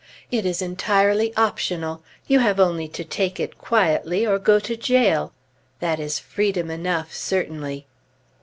It is entirely optional; you have only to take it quietly or go to jail. That is freedom enough, certainly!